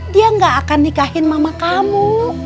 dia gak akan nikahin mama kamu